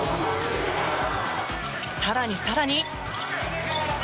更に更に。